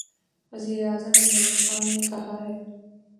وزیراعظم عمران خان نے کہا ہے